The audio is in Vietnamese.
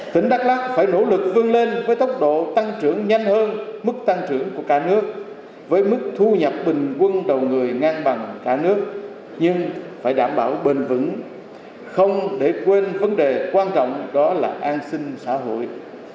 tỉnh đắk lắc phải nỗ lực vươn lên với tốc độ tăng trưởng nhanh hơn mức tăng trưởng của cả nước với mức thu nhập bình quân đầu người ngang bằng cả nước nhưng phải đảm bảo bền vững không để quên vấn đề quan trọng đó là an sinh xã hội